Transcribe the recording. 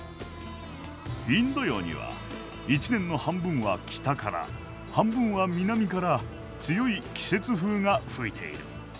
インド洋には１年の半分は北から半分は南から強い季節風が吹いている。